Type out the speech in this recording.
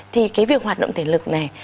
thì cái việc hoạt động thể lực này